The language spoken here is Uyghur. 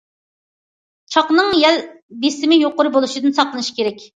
چاقنىڭ يەل بېسىمى يۇقىرى بولۇشىدىن ساقلىنىش كېرەك.